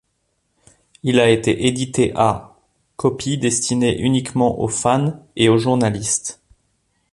Il a été édité à copies destinées uniquement aux fans et aux journalistes.